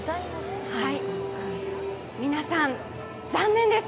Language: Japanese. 皆さん、残念です。